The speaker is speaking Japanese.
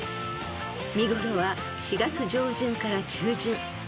［見ごろは４月上旬から中旬］